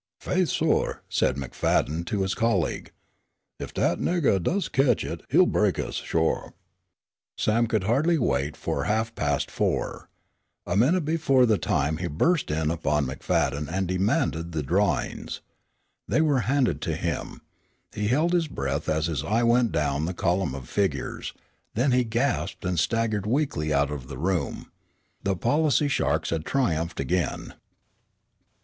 "Faith, sor," said McFadden to his colleague, "if that nagur does ketch it he'll break us, sure." Sam could hardly wait for half past four. A minute before the time he burst in upon McFadden and demanded the drawings. They were handed to him. He held his breath as his eye went down the column of figures. Then he gasped and staggered weakly out of the room. The policy sharks had triumphed again.